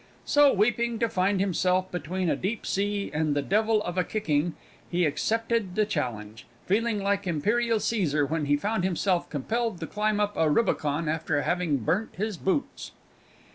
So, weeping to find himself between a deep sea and the devil of a kicking, he accepted the challenge, feeling like Imperial Cæsar, when he found himself compelled to climb up a rubicon after having burnt his boots!